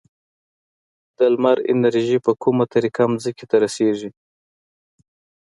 د لمر انرژي په کومه طریقه ځمکې ته رسیږي؟